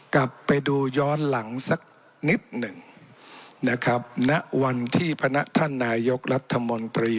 กลับไปดูย้อนหลังสักนิดหนึ่งนะครับณวันที่พนักท่านนายกรัฐมนตรี